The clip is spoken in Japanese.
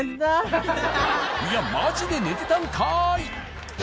いやマジで寝てたんかい！